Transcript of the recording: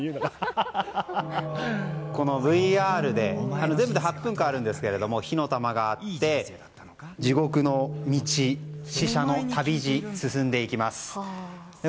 このＶＲで全部で８分間あるんですが火の玉があって地獄の道、死者の旅路を進んでいきます。